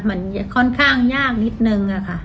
มันค่อนข้างยากนิดนึงอะค่ะ